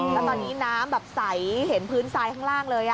แล้วตอนนี้น้ำแบบใสเห็นพื้นทรายข้างล่างเลย